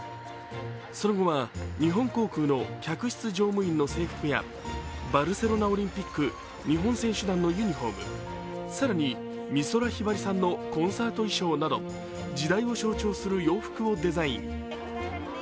その後は日本航空の客室乗務員の制服やバルセロナオリンピック日本選手団のユニフォーム、更に美空ひばりさんのコンサート衣装など時代を象徴する洋服をデザイン。